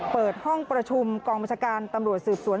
เปิดห้องประชุมกองบัญชาการตำรวจสืบสวน